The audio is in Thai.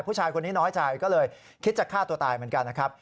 ผู้ชายคนนี้น้อยใจก็เลยคิดจะฆ่าตัวตายเหมือนกันนะครับ